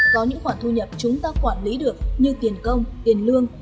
có những khoản thu nhập chúng ta quản lý được như tiền công tiền lương